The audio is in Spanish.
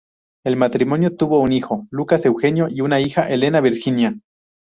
El matrimonio tuvo un hijo, Lucas Eugenio, y una hija, Elena Virginia.